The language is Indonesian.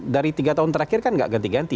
dari tiga tahun terakhir kan gak ganti ganti